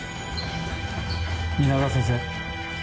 皆川先生。